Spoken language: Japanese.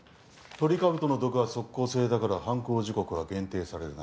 トリカブトの毒は即効性だから犯行時刻は限定されるな。